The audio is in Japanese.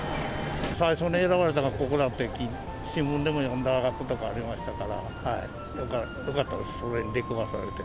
最初に選ばれたのがここだって新聞でも読んだことがありましたから、よかったです。